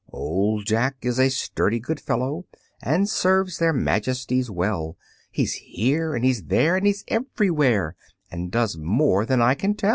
Old Jack is a sturdy good fellow, And serves their Majesties well; He's here and he's there, and he's everywhere, And does more than I can tell.